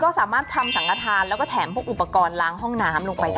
ก็สามารถทำสังฆฐานแล้วก็แถมพวกอุปกรณ์ล้างห้องน้ำลงไปได้